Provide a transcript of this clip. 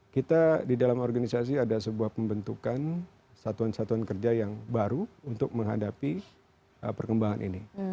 kita di dalam organisasi ada sebuah pembentukan satuan satuan kerja yang baru untuk menghadapi perkembangan ini